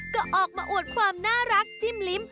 ก็ออกมาอวดความน่ารักจิ้มลิ้ม